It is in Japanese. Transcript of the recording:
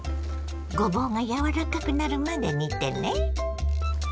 ごぼうが柔らかくなるまで煮てね。